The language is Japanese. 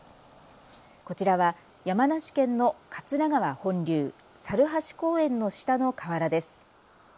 こちらは山梨県の桂川本流、猿橋公園の下の河原です。